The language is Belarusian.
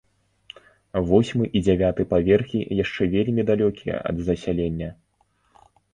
Восьмы і дзявяты паверхі яшчэ вельмі далёкія ад засялення.